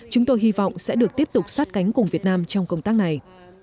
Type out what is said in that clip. chúng tôi hy vọng sẽ được tiếp tục sát cánh cùng việt nam trong công tác này